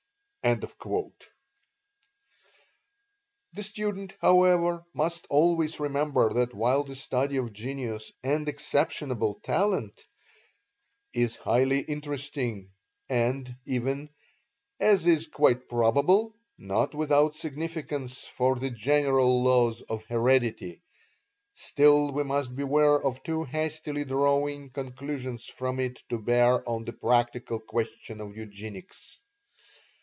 The student, however, must always remember that while the study of genius and exceptionable talent is highly interesting, and even, as is quite probable, not without significance for the general laws of heredity, still we must beware of too hastily drawing conclusions from it to bear on the practical questions of eugenics.